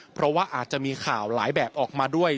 เพราะว่าอาจจะมีข่าวหลายแบบออกมาด้วย